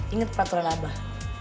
ingat peraturan abah